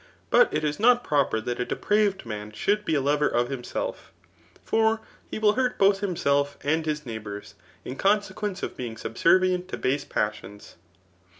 But it is not proper that a depraved man should be a lover of himself ; for he will hurt both hiflMelf and lus neighbours, in consequence of bdhg subservient to base passions.